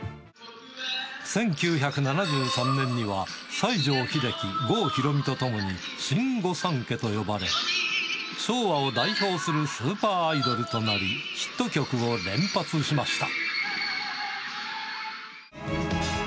１９７３年には、西城秀樹、郷ひろみと共に新御三家と呼ばれ、昭和を代表するスーパーアイドルとなり、ヒット曲を連発しました。